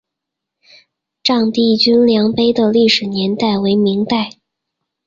丈地均粮碑的历史年代为明代。